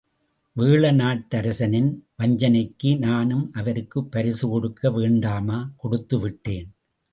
வேழ நாட்டரசனின் வஞ்சனைக்கு, நானும் அவருக்கு பரிசு கொடுக்க வேண்டாமா, கொடுத்து விட்டேன்!.